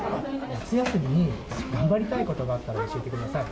夏休みに頑張りたいことがあったら教えてください。